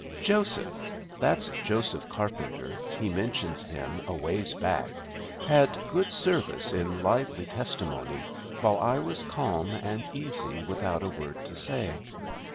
Joseph' (that's Joseph Carpenter; he mentions him aways back) 'had good service in lively testimony, while I was calm and easy without a word to say.